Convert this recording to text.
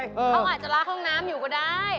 เขาอาจจะล้างห้องน้ำอยู่ก็ได้